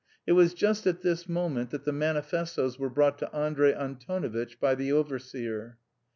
It was just at this moment that the manifestoes were brought to Andrey Antonovitch by the overseer.